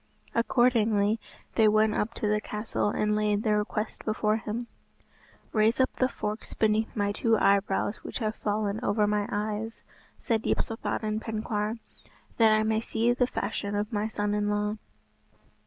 Accordingly they went up to the castle and laid their request before him. "Raise up the forks beneath my two eyebrows which have fallen over my eyes," said Yspathaden Penkawr, "that I may see the fashion of my son in law."